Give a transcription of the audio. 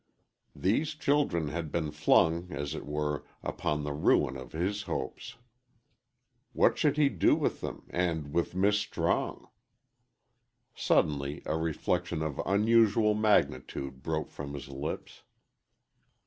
These, children had been flung, as it were, upon the ruin of his hopes. What should he do with them and with "Mis' Strong"? Suddenly a reflection of unusual magnitude broke from his lips.